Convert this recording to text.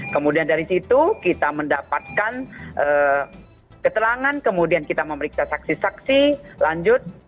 kemudian dari situ kita mendapatkan keterangan kemudian kita memeriksa saksi saksi lanjut